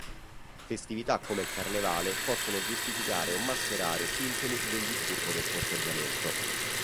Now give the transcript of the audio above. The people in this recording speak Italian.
Festività come il Carnevale possono giustificare o mascherare sintomi del disturbo del corteggiamento.